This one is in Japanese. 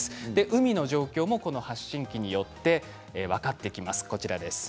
海の状況も発信器によって分かってきます。